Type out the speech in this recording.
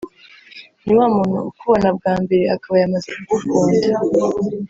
ni wa muntu ukubona bwa mbere akaba yamaze kugukunda